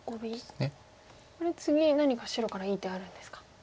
これ次何か白からいい手あるんですか。